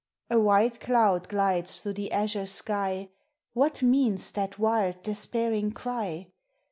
THE SEA. 409 A white cloud glides through the azure sky, — What means that wild despairing cry?